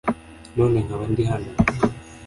none nkaba ndi hano